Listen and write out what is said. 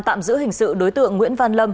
tạm giữ hình sự đối tượng nguyễn văn lâm